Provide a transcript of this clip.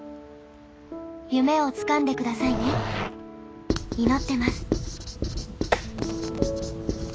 夢をつかんで下さいね祈ってます」。